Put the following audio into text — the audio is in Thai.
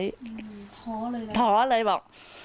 ท้อเลยเหรอคะท้อเลยบอก